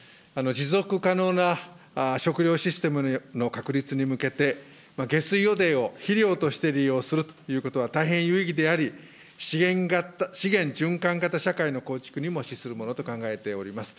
持続可能な食料システムの確立に向けて、下水汚泥を肥料として利用するということは大変有意義であり、資源循環型社会の構築にも資するものと考えております。